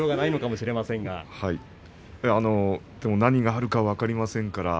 何があるか分かりませんから。